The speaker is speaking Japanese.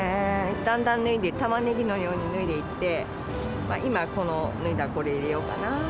だんだん脱いで、タマネギのように脱いでいって、今、この脱いだこれ、入れようかな。